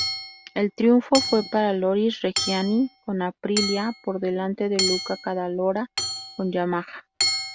El triunfo fue para Loris Reggiani, con Aprilia, por delante de Luca Cadalora, con Yamaha.